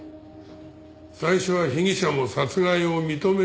最初は被疑者も殺害を認めてたんだよ。